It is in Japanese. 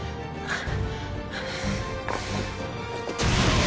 あっ。